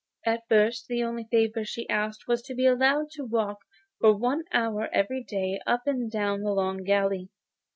At first the only favour she asked was to be allowed to walk for one hour every day up and down the long gallery.